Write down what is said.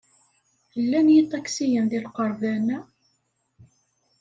Llan yiṭaksiyen deg lqerban-a?